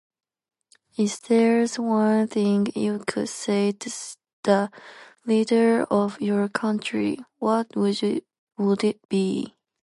If there's one thing you could say to the leader of your country, what would you- would it be?